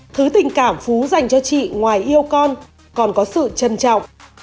thứ tình cảm phú dành cho chị ngoài yêu con còn có sự trân trọng